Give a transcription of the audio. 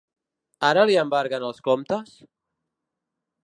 Ara li embarguen els comptes?